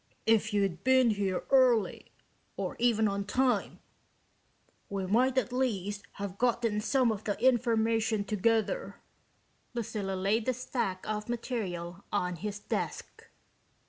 If you'd been here early or even on time we might at least have gotten some of the information together." Lucilla laid the stack of material on his desk.